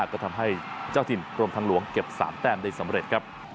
ก็ทำให้เจ้าถิ่นกรมทางหลวงเก็บ๓แต้มได้สำเร็จครับ